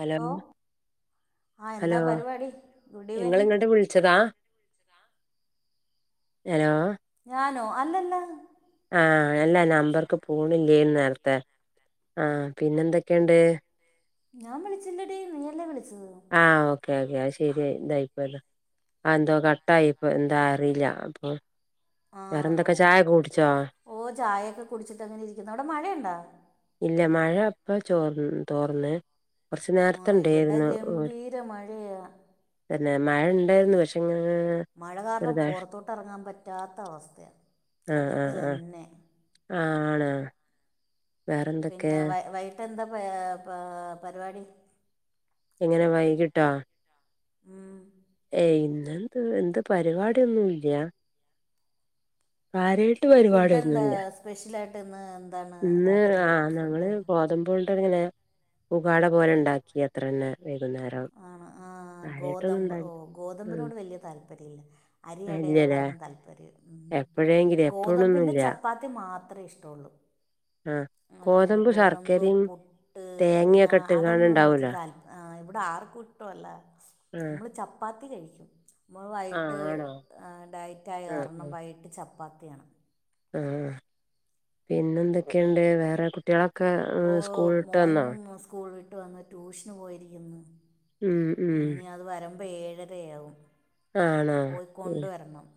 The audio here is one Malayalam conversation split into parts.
ഹലോ ആ ഹലോ എന്താ പരിപാടി ഗുഡ് ഈവനിങ് ഇങ്ങള്ങ്ങെട്ട് വിശച്ചെതാ ഹലോ? ഞാനോ അല്ലല്ല ആഹ് അല്ലാ നമ്പർക്ക് പോണില്ലേനി നേരത്തെ ആ പിന്നെന്തെക്കെണ്ട്? ഞാം വിളിച്ചില്ലെടീ നീയല്ലേ വിളിച്ചെത്? ആഹ് ഓക്കേ ഓക്കേ അഹ്ശെരിയ് ഇതായിപ്പോയതാ അഹ് ന്തോ കട്ടായിപ്പൊ എന്താ അറീല്ല അപ്പൊ വേറെന്തെക്ക ചായൊക്കെ കുട്ച്ചോ? ഓഹ് ചായയൊക്കെ കുടിച്ചിട്ടങ്ങനെ യിരിക്കുന്നു അവ്ടെ മഴയുണ്ടോ? ഇല്ല മഴ ഇപ്പൊ ചോർന്ന് തോർന്ന് കൊർച്ച് ആ ഇവിടെ നേര്ത്തെണ്ടേയിരുന്നു ഗംഭീര മഴയാ തന്നെ മഴെണ്ടായിരുന്നു പക്ഷെങ്ങനെങ്ങനെ മഴ കാരണം പൊറത്തോട്ടെറങ്ങാൻ പറ്റാത്ത അവസ്ഥയാ ആഹ് അകത്ത് ആഹ് തന്നെ ആഹ് ആണോ? വേറെന്തൊക്കെ പിന്നെ വൈയിട്ടെന്താ പാ പരിവാടി? എങ്ങനെ വൈകിട്ടോ? ഉം ഏയ് ഇന്നെന്ത് എന്ത് പരിപാടിയൊന്നുല്ല്യ കാര്യായിട്ട് ഫുഡ് എന്താ പരിപാടിയൊന്നുല്ല്യ സ്പെഷ്യലായിട്ട് ഇന്ന് എന്താണ്? ഇന്ന് ആ് രാത്രിയിൽ ഞങ്ങള് ഫുഡ് ഗോതമ്പോണ്ട്ങ്ങനെ പുകാട പോലെണ്ടാക്കി അത്രന്നെ വൈകുന്നേരം ആഹ് ആ കാര്യായിട്ടൊന്നും ഗോതമ്പ് ഉണ്ടാക്കി ഓ ഉം ഗോതമ്പിനോട് വെല്യ താല്പര്യല്ല ഇല്ലല്ലേ അരിയടയോടാണ് താല്പര്യം മ് എപ്പോഴെങ്കിലും ഗോതമ്പിൻ്റെ എപ്പോഴൊന്നുല്ല ചപ്പ ത്തി മാത്രേ ഇഷ്ടൊള്ളു ആഹ് അല്ലാണ്ട് ഗോതമ്പ്, ശർക്കരയും പുട്ട്, ങ്ങാ തേങ്ങയൊക്കെ ഇട്ട്കാണ്ട് അതൊന്നും എനിക്ക് ഇണ്ടാവൂലോ താല്പ ആ് ഇവടെ ആർക്കുശ്ടവല്ലാ ആഹ് നമ്മള് ചപ്പാത്തി കഴിക്കും നമ്മള് ആഹ് വൈട്ട് ആണോ ഡയറ്റായ ആഹ് കാരണം വൈകിട്ട് ചപ്പാത്തിയാണ് ആഹ് പിന്നെന്തൊക്കെണ്ട് വേറെ കുട്ടിയളൊക്കെ സ്കൂൾട്ട് വന്നോ? ആഹ് സ്കൂൾ വിട്ട് വന്ന് ടൂഷന് പോയിരിക്ക്ന്ന് ഉം ഉം ഇനി അത് വരമ്പോ ഏഴരയാവും ആണോ പോയി ഉം കൊണ്ടുവരണം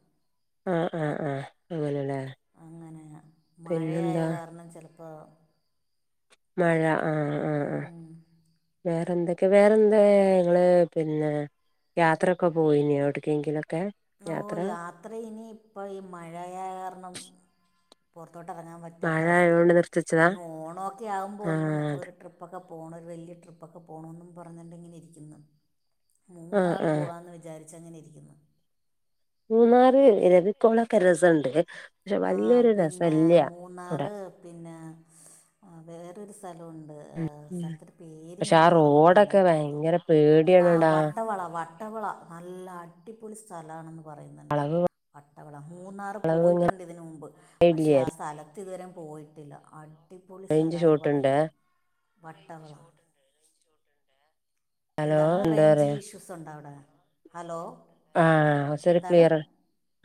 ആ ആ ആ അങ്ങനെലേ? അങ്ങനെയാ മഴയായ കാരണം ചെലപ്പോ മഴ ആഹ് ആഹ് ആ വേറെന്തെ ക്കെ വേറെ എന്താ ഇങ്ങള് പിന്നെ യാത്രൊക്കെ പോയിനിയൊ ഒട്ക്കേങ്കിലൊക്കെ? ഓ യാത്രയിനിയിപ്പൊ ഈ മഴയായ കാരണം പൊറത്തോട്ടെറങ്ങാൻ പറ്റ ത്ത മഴ അവസ്ഥ ആയോണ്ട് നിർത്തിച്ചതാ ഇനി ഓണോക്കെയാകുമ്പോ ഒന്ന് ആഹ് അതെ ഒരു ട്രിപ്പ് പ്പൊക്കെ പോണം ഒരു വല്ല്യ ട്രിപ്പൊക്കെ പോണോന്നും പറഞോണ്ട്ങ്ങനെ ഇരിക്ക്ന്ന് ആഹ് മൂന്നാറ് ആഹ് പോവാന്ന് വിചാരിച്ചങ്ങനെയിരിക്ക്ന്നു മൂന്നാറ് ഇരവിക്കൊളൊക്കെ രസെണ്ട് പക്ഷെ ആ വല്ല്യയൊരു രസെല്ല്യ ഔടെ പിന്നേ വേറൊരു സ്ഥലവൊണ്ട് ഉം ഏഹ് ഉം സ്ഥലത്തിന്റെ പേര് പക്ഷെ ഞാ ആ മറന്ന് പോയല്ലോ റോഡൊക്കെ ഭയങ്കര ആഹാ പേടിയാണെടാ വട്ടവള വട്ട വള നല്ല അടിപൊളി സ്ഥലാണെന്ന് പറയ്ന്ന്ണ്ട് വളവ് വട്ടവള മൂന്നാ [unintelligible] ഇതിന് മുമ്പ്. പക്ഷെ ഇല്ലേ ആ സ്ഥലത്ത് ഇതുവരെ പോയിട്ടില്ല. അടി പൊളി റേഞ്ച് സ്ഥലാന്ന് ഷോട്ടുണ്ട് പറയുന്ന്, വട്ടവള. ഹലോ എന്താണ് എന്താ റേഞ്ച് പറയാ ന് ഇഷ്യൂസ് ണ്ടോ അവിടെ? ഹലോ. ആഹ് ശരി എന്താണ് ക്ലിയറ്.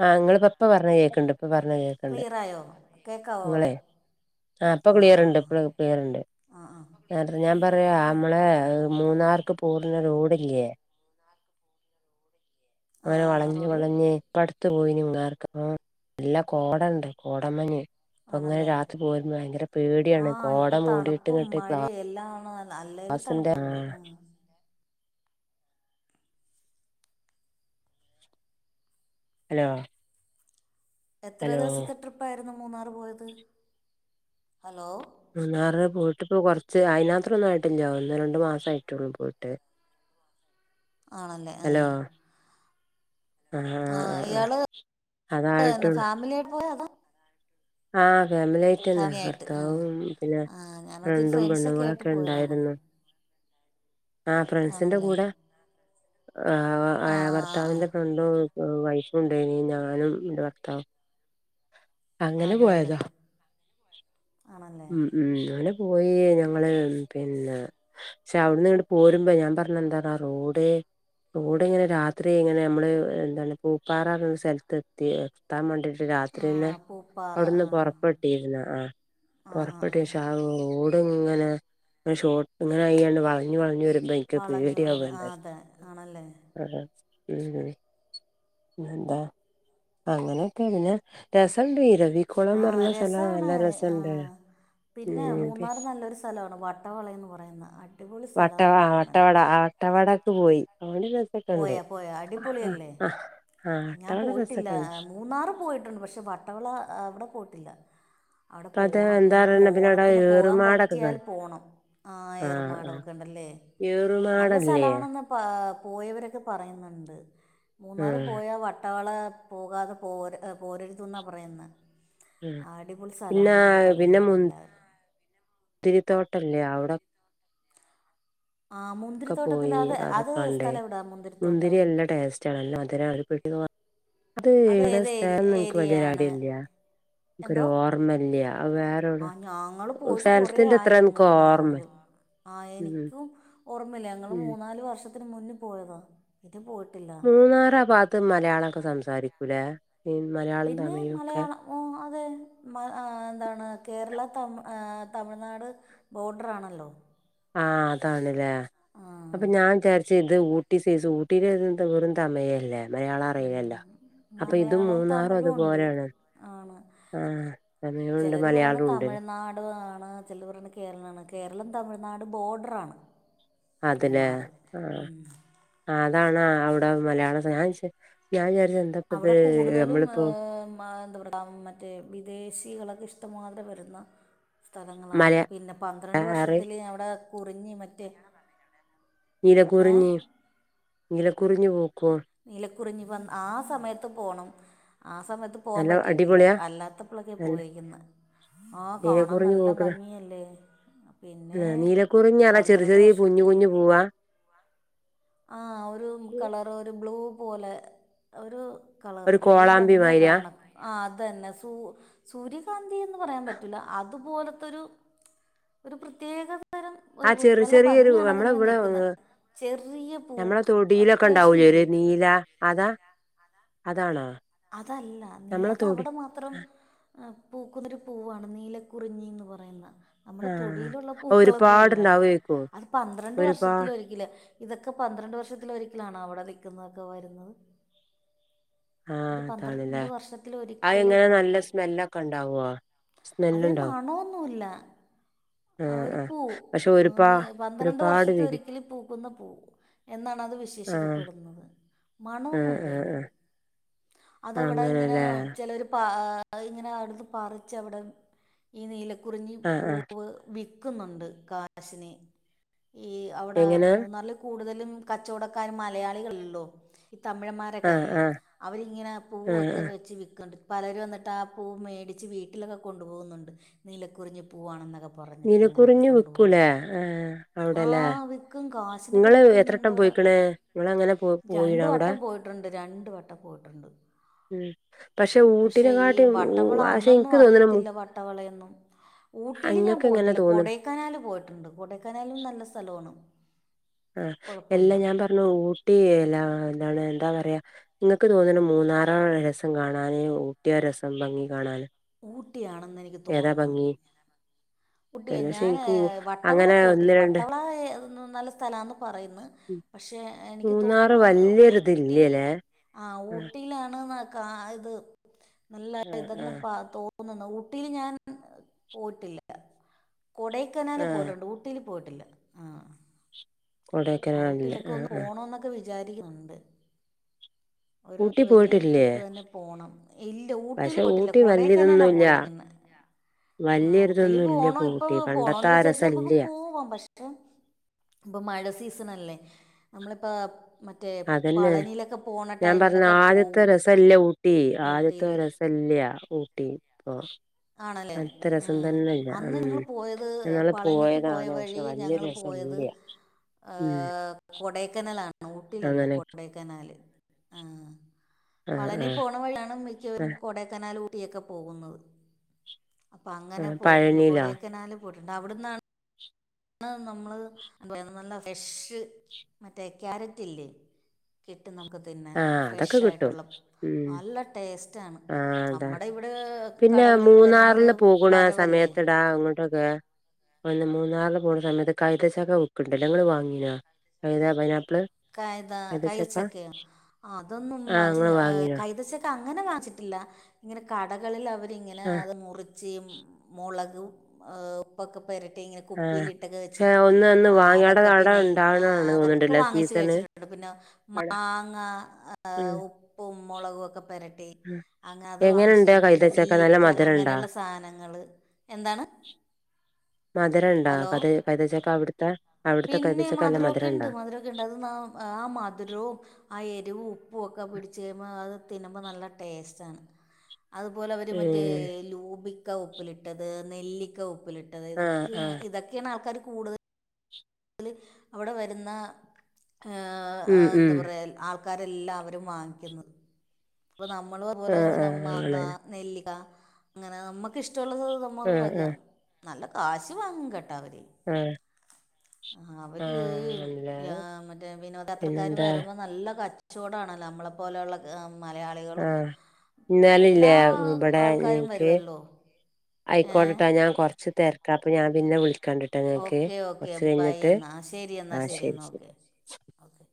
ആ ഇങ്ങളിപ്പോ പറഞ്ഞ കേൾക്ക്ണ്ട്. ഇപ്പ പറഞ്ഞ കേൾക്ക ക്കണ്ട്. ക്ലിയർ ആയോ ഇങ്ങളെ കേൾക്കാമോ ആ ഇപ്പൊ ആഹ് ക്ലിയറ്ണ്ട്, ആഹ് ഇപ്പോ ക്ലിയർ ണ്ട്. ആഹ് ആഹ് ആഹ് ഞാൻ പറ ആ മള ആഹ് ഓക്കെ ഓക്കെ മൂന്നാർക്ക് പോകണ റോഡില്ലേ? അങ്ങനെ ആഹ് ആഹ് വളഞ്ഞ്, റോഡ് വളഞ്ഞ് ഇപ്പട് ത്ത് [unintelligible] നല്ല കോട ഉണ്ട്, കോടമഞ്ഞ്. അപ്പ അങ്ങനെ ആണല്ലേ രാത്രി പോരുമ്പോ ഭയങ്കര പേടിയാണ്. ആഹ് കോട ഇപ്പൊ മൂടിയിട്ട് തണുപ്പും മറ്റേ ക്ലാസ്സ്‌, മഴയും എല്ലാമാണ് അല്ലേലും സിന്റെ തണുപ്പല്ലേ ആഹ് ഹലോ എത്ര ഹലോ ദിവസത്തെ ട്രിപ്പായിരുന്നു മൂന്നാറ് പോയത്? ഹലോ. മൂന്നാറിനു പോയിട്ടിപ്പൊ കൊറച്ച് അതിനാത്രം ഒന്നും ആയിട്ടില്ല. ഒന്ന് രണ്ടു മാസം ആയിട്ടുള്ളൂ പോയിട്ട്. [inaudible] ആണല്ലേ ആഹ്. ഹലോ ആ ആ ആ ആഹ് ആ ഇയാള് [unintelligible] അതായിട്ടുള്ളൂ ഫാമിലി ആയിട്ട് അതോ, ആഹ് ഫാമിലി ആയി ഫാമിലി [unintelligible] ആയിട്ട് ആഹ് ഭർത്താവും പിന്നെ ആഹ് ഞാനോർത്ത് ഫ്രണ്ടും, ഫ്രണ്ട്സൊക്കെ ആയിട്ട് പെണ്ണുങ്ങളൊക്കെ പോയതാണെന്ന് ഉണ്ടായിരുന്നു. ആ ഫ്രണ്ട്സിന്റെ ആണല്ലേ കൂടെ, ആഹ് ആ ആഹ് ആഹ് ആഹ് ഭർത്താവിന്റെ ആഹ് ഫ്രണ്ട് ന്റെ വൈഫും ഉണ്ടായിനി, ഞാനും എന്റെ ഭർത്താവും. അങ്ങനെ അതെ പോയതാ. അതെ ആണല്ലേ ഉം ഉം അങ്ങനെ. പോയി ഞങ്ങള് പിന്നെ, [unintelligible] അവിടുന്ന് പോരും വഴി, ഞാൻ പറഞ്ഞ എന്താ ആ റോഡ് റോഡ് ഇങ്ങനെ രാത്രി ഇങ്ങനെ നമ്മള് എന്താണ് പൂപ്പാറാ സ്ഥലത്ത് എ ത്താൻ വേണ്ടിട്ട് രാത്രി ആ ന്നെ പൂപ്പാറ അവിടുന്ന് ആ പൊറപ്പെട്ടിരുന്നു. ആ ആ ആ പൊറപെട്ട് ഷാ ആ റോഡ് ഇങ്ങനെ ഷോർട്ട് ങ്ങായിങ്ങാണ്ട് വളഞ്ഞ് വളഞ് വരും. [unintelligible] വളഞ്ഞ് വളഞ്ഞ് ആ പേടിയാവണ്ടായി. അതെ ആണല്ലേ ആഹ് ആ ഉം ഉം പിന്നന്താ അങ്ങനൊക്കെ അങ്ങനെ, രസ ഇണ്ട്, ഇരവികുളം ആ പറഞ്ഞ സ്ഥലം രസമാണ് നല്ല രസം ഉണ്ട്. പിന്നെ ഉം പി മൂന്നാർ നല്ലൊരു സ്ഥലമാണ് വട്ടവളയ എന്ന് പറയുന്ന. അ വട്ട ആ വട്ടവട ആ വട്ടവടക്ക് പോയി. അവിടെ പോയാ, പോയാ അടിപൊളിയല്ലേ. ആ ഞാൻ വട്ടവട പോയിട്ടില്ല, രസൊക്കെണ്ട് മൂന്നാറ് പോയിട്ടുണ്ട്. പക്ഷെ വട്ടവള അവിടെ പോയിട്ടില്ല. അവിടെ ഇപ്പ അത് പോണം. എന്താ ഇനി പറയ പിന്നെ അവിടെ ഓണത്തിന് പോകാൻ ഏറുമാടൊക്കെ പറ്റിയാൽ കാണും പോണം. ആഹ് ആ ആ ഏർമാടം ഒക്കെ ഇണ്ടല്ലേ. നല്ല ഏറുമാടല്ലേ ആ സ്ഥലാണന്ന്, പാ പോയവരൊക്കെ പറയുന്നുണ്ട്. മൂന്നാറ് വട്ടവള പോകാതെ പോര പോരരുത് എന്നാ പറയുന്നെ. ആ അടിപൊളി പിന്നെ സ്ഥലമാണെന്നൊക്കെ പറയുന്നുണ്ട് എല്ലാരും. [unintelligible] തോട്ടല്ലേ അവിടെ, ആ മുന്തി ഒക്കെ പോയി അതൊക്ക കണ്ടേ. മുന്തിരി മുന്തിരിത്തോട്ടം നല്ലാ ടേസ്റ്റാ നല്ല മധുരാ [unintelligible] അത് ഏടെ ഏത് ഏരി സ്ഥലം നിങ്ങക്ക് വല്യ ഏരിയയാണ് ഐട്യ ഇല്ല. എനക്ക്‌ ഒരു എന്തോ ഓർമല്ല്യ. ആഹ് വേറെ ഒരു ആ ഞങ്ങൾ പോയിട്ട് സ്ഥലത്തിന്റെ ഇത്ര എനക്ക് ഓർമ ആഹ് എനിക്കും ഓർമ ഇല്ല. ഞങ്ങള് ഉം മൂന്നാല് വർഷത്തിന് മുന്നെ പോയതാ. ഇത് പോയിട്ടില്ല. മൂന്നാറ് ആ ഭാഗത്ത് മലയാളമൊക്കെ സംസാരിക്കൂലേ. മലയാളം പിന്നെ തമിഴും ഒക്കേ. മലയാളം ഓ അതെ ഏ എന്താണ് കേരള തമ തമിഴ്നാട് ബോർഡർ ആണല്ലോ. ആഹ് അതാണല്ലേ. ആ അപ്പൊ ഞാൻ വിചാരിച്ചു എനി അത് ഊട്ടി സൈസ് ഊട്ടിയില് വെറും തമയല്ലേ മലയാളം ഉം. അറിയില്ലല്ലോ അപ്പൊ ഇത് മലയാളവും മൂന്നാറും തമിഴും ഉണ്ട് അതുപോലെയാണ് ആണ് ആഹ് തമിഴുണ്ട് ചിലത് പറയണ് മലയാളവും ഉണ്ട് തമിഴ്നാട് ആണ് ചിലര് പറയണ് കേരളമാണ് കേരളം തമിഴ്നാട് ബോർഡർ ആണ് അതല്ലേ മൂന്നാറ് ആഹ് ഉം അതാണ് അവിടെ മലയാളംഞാൻ ഞാൻ വിചാരിച്ച എന്താ അവിടെ കൂടുതലും ഹ് മാ എന്താ പറയാ മറ്റേ വിദേശികളൊക്കെ ഇഷ്ടംമാതിരി വരുന്ന സ്ഥലങ്ങളാണ് മല പിന്നെ പന്ത്രണ്ട് ആറ് വർഷത്തില് അവടെ കുറിഞ്ഞി മറ്റേ നീല ഏ കുറിഞ്ഞി നീല കുറിഞ്ഞി പൂക്കും നീലക്കുറിഞ്ഞി വൻ ആ സമയത്ത് പോണം ആ സമയത്ത് പോവാൻ നല്ല പറ്റിയിട്ടില്ല അടിപൊളിയാ അല്ലാത്തപ്പൊളൊക്കെ നല്ല പോയിരിക്കുന്ന ആഹ് കാണാൻ നീലക്കുറിഞ്ഞി നല്ല ഭംഗിയല്ലേ. പിന്നെ ആഹ് നീലക്കുറിഞ്ഞി ആണ ചെറിയ പന്ത്രണ്ട് ചെറിയ കുഞ്ഞു കുഞ്ഞു പൂവാ ആഹ് ഒരു ഉം കളറ് ഒരു ബ്ലൂ പോലെ ഒരു കളറ് ഒരു നല്ല കോളാമ്പി ഭംഗിയ മാതിരിയാ കാണാൻ ആഹ് അതെന്നെ സൂ സൂര്യകാന്തി എന്ന് പറയാൻ പറ്റൂല അതുപോലത്തൊരു ഒരു പ്രത്യേക തരം ആ ഒരു ചെറിയ നല്ല ചെറിയൊരു നമ്മളെ ഭംഗിയാണത്ങ്ങനെ ഇവിടെ നിക്കുന്നെ ഏ, ചെറിയ പൂ അത്യാവശ്യം ഒര് ര് വിരിയും നീലാ അതാ അതാണോ അതല്ല നീ നമ്മളെ തൊടി അതവടെ മാത് ത്രം പൂക്കുന്നൊരു പൂവാണ് നീല കുറിഞ്ഞിന്ന് പറയുന്ന ആ നമ്മടെ തൊടിയിലുള്ള പൂക്കളൊന്നും അല്ല ഒരുപാടുണ്ടാവേക്കും അത് പന്ത്രണ്ട് ഒരുപാ വർഷത്തിലൊരിക്കല് ഇതൊക്കെ പന്ത്രണ്ട് വർഷത്തിലൊരിക്കലാണോ അവടെ നിക്കുന്നതൊക്കെ വരുന്നത് ആ ഇത് പന്ത്രണ്ട് അതാണല്ലേ അത് വർഷത്തിലൊരിക്കലെ എങ്ങനെ നല്ല പൂക്കൂ സ്മെല്ലൊക്കെ ഉണ്ടാവോ അത് സ്മെല്ലുണ്ടാവും മണൊന്നുല്ല ആ ആഹ് ഒരു ആ പൂ പക്ഷെ ഒരുപാ നീ പന്ത്രണ്ട് ഒരുപാട് വർഷത്തി വിരി ഒരിക്കല് പൂക്കുന്ന പൂ എന്നാണത് ആ വിശേഷിക്കപ്പെടുന്നത് ആ മണൊന്നുല്ല ആ അയ്ന് ആ ആ, അതവടെ ഇങ്ങനെ അങ്ങനല്ലേ ചിലോര് പ ഇങ്ങനെ അവിടുന്ന് പറിച്ചവ്ട്ന്ന് ഈ നീലക്കുറിഞ്ഞി ആ ആ പൂവ് വിക്കുന്നുണ്ട് കാശിന് ഈ അവ്ടാ എങ്ങനെ മൂന്നാറില് കൂടുതലും കച്ചോടക്കാർ മലയാളികളുള്ളൂ ഈ തമിഴമ്മാര് ആ ക്കല്ലേ ആ അവരിങ്ങനെ ആ പൂവൊക്കെ ആ വെച്ച് വിക്കണ്ട് പലരും വന്നിട്ടാ ആ പൂ മേടിച്ച് വീട്ടിലൊക്കെ കൊണ്ടുപോകുന്നുണ്ട് നീലകുറിഞ്ഞി പൂവാണെന്നൊക്കെ പറഞ്ഞിട്ട് അങ്ങനെ നീലക്കുറിഞ്ഞി കൊണ്ടുപോവും വിക്കൂലേ? ആഹ് അവടെല്ലേ? ആഹ് വി ക്കും കാശിനൊക്കെ ഇങ്ങള് എത്രട്ടം വിക്കുന്നുണ്ടവിടെ പോയിക്ക്ണ്? ഇങ്ങളങ്ങനെ പോ പോയിണോ രണ്ട് അവടെ? വട്ടം പോയിട്ടുണ്ട് രണ്ട് വട്ടം പോയിട്ടുണ്ട് ഉം പക്ഷെ ഈ ഊട്ടിനെക്കാട്ടിം ഊ വട്ടവള പക്ഷെ അന്നൊന്നും ഇൻക്ക് തോന്ന്ണ് മു അറിയത്തില്ല വട്ടവളയൊന്നും ഊട്ടില് ഞാ ക്ക്ങ്ങനെ തോന്നി കനാല് പോയിട്ടുണ്ട് കൊടൈക്കനാലും നല്ല സ്ഥലോണ് ആഹ് എല്ലാം ഞാൻ പറഞ്ഞു ഊട്ടി എല്ലാം എന്താണ് എന്താ പറയാ ഇങ്ങക്ക് തോന്നണ് മൂന്നാറാ രസം കാണാന് ഊട്ടിയ രസം ഭംഗി കാണാന് ഊട്ടിയാണെന്നെനിക്ക് ഏതാ തോന്നുന്ന് ഭംഗി? ഊട്ടിയ പിന്നെ പക്ഷെ ഞാന് ഇൻക്ക് ഊ വട്ടവളെ അങ്ങനെ ഒന്ന് പോയിട്ടില്ല രണ്ട് വട്ടവള നല്ല സ്ഥലാന്ന് പറയുന്ന് ഉം പക്ഷെ എനിക്ക് മൂന്നാറ് തോന്ന്ന്ന് ഊട്ടി വല്ല്യൊരിതില്ല്യലേ? ആഹ് ഊട്ടിയിലാണ് ന ആ ഇത് നല്ല ആഹ് ഇതന്ന് ആഹ് പ തോ ന്നുന്നു ഊട്ടില് ഞാൻ പോയിട്ടില്ല കൊടൈക്കനാല് ആഹ് പോയിട്ടുണ്ട് ഊട്ടില് പോയിട്ടില്ല ആഹ് കൊടൈക്കനാലില് ഊട്ടിലൊക്കെ ഒന്ന് ആഹ് ആഹ് പോണന്നൊക്കെ വിചാരിക്കുന്നുണ്ട് [inaudible] ഒരു വലിയൊരു പോയിട്ടില്ലേ? ട്രിപ്പ് തന്നെ പോണം ഇല്ല ഊട്ടില് പക്ഷെ പോയിട്ടില്ല ഊട്ടി കൊടൈക്കനാലാ വല്യതൊന്നുല്ല പോയിരിക്കുന്നേ. ആ ഊട്ടില് വല്യൊരിതൊന്നുല്ല പോണോ ഇപ്പൊ ഊട്ടി പണ്ടത്തെ പോണോന്ന് ആ വിചാരിച്ച നമ്മുക്ക് രസല്ല്യ പൂവാം പക്ഷെ ഇപ്പൊ ഇപ്പൊ മഴ സീസണല്ലേ നമ്മളിപ്പോ മറ്റേ അതന്നെ പളനിയിലൊക്കെ പോണ ടൈമിലൊക്കെ പോവും. ഇപ്പല്ലേ ഊട്ടി ആദ്യത്തെ ഊട്ടിയില് രസല്ല്യാ ഊട്ടി ഇപ്പൊ ആണല്ലേ ആദ്യത്തെ രസം ഉം തന്നെല്ല അന്ന് ഉം ഞങ്ങൾ പോയത് ഇന്നാള് പളനിക്ക് പോയ പോയതാണ് പക്ഷെ വല്ല്യ ര സല്ല്യ. ആഹ് കൊടൈക്കനലാണ്, ഊട്ടിലല്ല, അങ്ങനെ കൊടക്കനാല് ആഹ് ആഹ് പളനി ആഹ് [unintelligible] വഴിയാണ് മിക്കവരും ആഹ് കൊടക്കനാല് ഊട്ടിയൊക്കെ പോകുന്നത്. അപ്പൊ അങ്ങനെ ആഹ് പോയിട്ടുണ്ട് പഴനിയിലോ കൊടൈക്കനാല് പോയിട്ടുണ്ട്, അവിടന്നാണ് നമ്മള് നല്ല ഫ്രഷ് മറ്റേ ക്യാരറ്റ് ഇല്ലേ? കിട്ടും നമുക്കത് പിന്നെ ആഹ് അതൊക്കെ കിട്ടും ഫ്രഷായിട്ടുള്ള ഉം നല്ല ടേസ്റ്റാണ് ആഹ് അതാണ് നമ്മടെ ഇവടെ പിന്നെ മൂന്നാറില് പോകുണ സമയത്തെടാ അങ്ങോട്ടൊക്കെ ഒന്ന് മൂന്നാറില് പോണ സമയത്ത് കൈതച്ചക്ക വിക്കുന്നുണ്ടല്ലോ നിങ്ങള് വാങ്ങിനോ കൈത പൈനാപ്പിള് കൈത കൈതച്ചക്ക കൈതച്ചക്കയൊ അതൊന്നും ആഹ് വാങ്ങിച്ച് ഇങ്ങള് വാങ്ങീനോ കൈതച്ച ക്ക് അങ്ങനെ വാങ്ങിച്ചിട്ടില്ല, ഇങ്ങനെ കടകളില് അവരിങ്ങനെ ആഹ് അത് മുറി ഇഞ്ചിയും മുളകും ഉപ്പക്കെ പുരട്ടി ഇങ്ങനെ ആഹ് കുപ്പിലിട്ടൊക്കെ പക്ഷെ വെച്ചിട്ട് ഒന്ന് അന്ന് ആഹ് വാങ്ങി അവടെ അതൊക്കെ അവടെ പിന്നെ ആഹ് ഇണ്ടാവ്ണാണ് അതൊക്കെ തോന്ന്ണ്ട്ല്ലേ വാങ്ങി ച്ച് സീസണ് കഴിച്ചിട്ടുണ്ട്, പിന്ന മാങ്ങ ഉം ആഹ് ഉപ്പും മൊളകും ഒക്കെ പെരട്ടി ഉം അങ്ങനെ അത് എങ്ങനെണ്ട് ആ വാങ്ങിച്ചിട്ടുണ്ട്, പിന്നെ കൈതച്ചക്ക നല്ല നെല്ലിക്ക മധുരണ്ടോ അങ്ങനെയുള്ള സാധനങ്ങള് എന്താണ്? മധുരൊണ്ടാ? ഹലോ അത് കൈതച്ചക്ക അവിടുത്തെ അവിടുത്തെ പിന്നെ കൈതച്ചക്ക നല്ല മധുരമൊക്കെ മധുരൊണ്ടോ? [unintelligible] ആ മധുരവും ആ എരിവും ഉപ്പും ഒക്കെ പിടിച്ച് കഴിയുമ്പോ അത് തിന്നുമ്പോ നല്ല ടേസ്റ്റാണ്, അതുപോലെ അവര് മറ്റേ ഏഹ് ലൂബി ക്കാ ഉപ്പിലിട്ടത്, നെല്ലിക്ക ഉപ്പിലിട്ടത് ആഹ് ഇതൊക്കെ ആഹ് ഇതൊക്കെയാണ് ആൾക്കാര് കൂടുത തല് അവിടെ വരുന്ന ആഹ് ഉം ഉം എന്താ പറയാ ആൾ ക്കാരെല്ലാവരും വാങ്ങിക്കുന്നത്, ഇപ്പ നമ്മളും അതുപോലെ ആഹ് ഇങ്ങനെ ആഹ് മാങ്ങ, അങ്ങനെ നെല്ലിക അങ്ങനെ നമ്മുക്കിഷ്ടമുള്ളത് നമ്മക് ആഹ് വാക്കാം. ആഹ് നല്ല കാശ് വാങ്ങും കേട്ടോ അവര് ഉം ആഹ് അവർക്ക് ആണ്ല്ലേ മറ്റേ വിനോദത്രക്കാര് പിന്നെന്താ വരുമ്പോ നല്ല കച് ചോടാണല്ലോ? നമ്മളെ പോലെയുള്ള മലയാളികളും ആ, എന്നാലില്ലേ എല്ലാ ഇവടെ ആൾക്കാരും എനിക്ക് വരുമല്ലോ ഏ ആയിക്കോട്ടേട്ടാ ഞാൻ കൊറച്ച് തെര ക്കാ, അപ്പൊ ഞാ പിന്നെ വിളിക് ഓക്കേ ഓക്കേ ബൈ എന്നാ ശരി എന്നാ ശരി എന്നാ ഓക്കെ ഓക്കെ